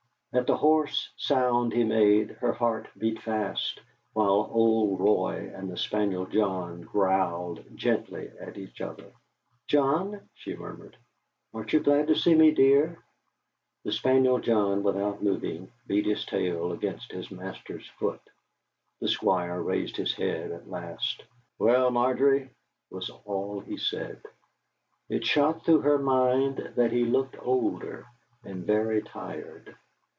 At the hoarse sound he made, her heart beat fast, while old Roy and the spaniel John growled gently at each other. "John," she murmured, "aren't you glad to see me, dear?" The spaniel John, without moving, beat his tail against his master's foot. The Squire raised his head at last. "Well, Margery?" was all he said. It shot through her mind that he looked older, and very tired!